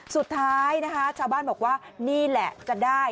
สุดท้ายนะคะชาวบ้านบอกว่านี่แหละจะได้